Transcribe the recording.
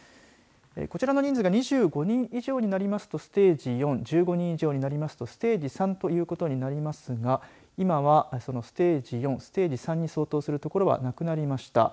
こちらの人数が２５人以上になりますとステージ４、１５人以上になりますとステージ３ということになりますが今は、そのステージ４ステージ３に相当する所はなくなりました。